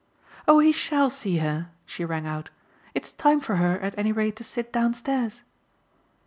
"Oh he shall see her!" she rang out. "It's time for her at any rate to sit downstairs."